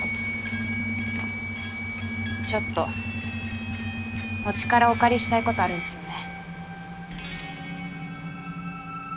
ちょっとお力お借りしたいことあるんすよね。